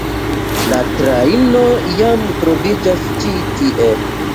La trajno jam troviĝas ĉi tie.